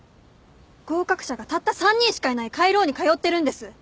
合格者がたった３人しかいない下位ローに通ってるんです。